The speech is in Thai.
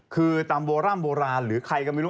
คือตามโบราณหรือใครก็ไม่รู้